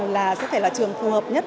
là sẽ phải là trường phù hợp nhất